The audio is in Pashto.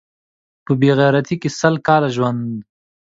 په بې غیرتۍ کې سل کاله ژوند